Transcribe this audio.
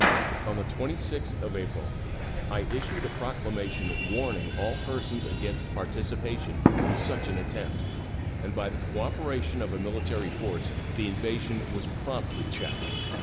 On the 26th of April I issued a proclamation warning all persons against participation in such an attempt, and by the cooperation of a military force the invasion was promptly checked.